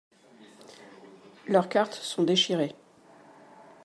leurs cartes sont déchirées.